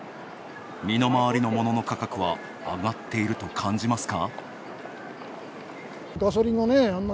身の回りのモノの価格は上がっていると感じますか？